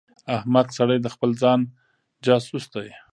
احمق سړی د خپل ځان جاسوس دی.